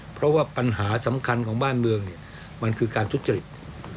เพราะว่าปัญหาสำคัญของบ้านเมืองมันคือการทุจริต